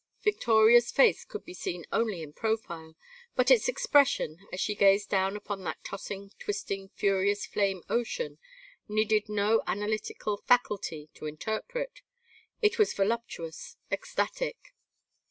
Victoria's face could be seen only in profile, but its expression, as she gazed down upon that tossing twisting furious flame ocean, needed no analytical faculty to interpret. It was voluptuous, ecstatic.